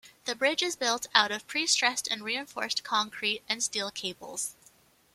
The bridge is built out of pre-stressed and reinforced concrete and steel cables.